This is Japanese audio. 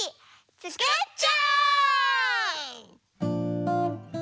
つくっちゃおう！